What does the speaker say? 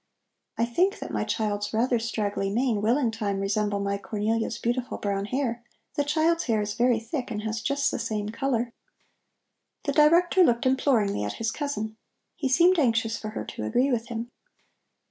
I think that my child's rather straggly mane will in time resemble my Cornelia's beautiful brown hair; the child's hair is very thick and has just the same color." The Director looked imploringly at his cousin. He seemed anxious for her to agree with him.